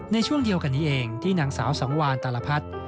ในช่วงเดียวกันนี้เองที่นางสาวสังวานตาลพัฒน์